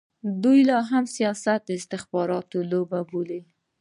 دوی لا هم سیاست د استخباراتي لوبه بولي.